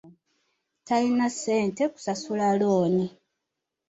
Talina ssente kusasula looni.